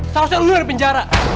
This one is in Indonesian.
salah satu ulang di penjara